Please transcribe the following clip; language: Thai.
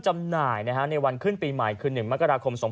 จำหน่ายนะฮะในวันขึ้นปีใหม่คืนหนึ่งมกราคมสอง